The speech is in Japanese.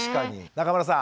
中村さん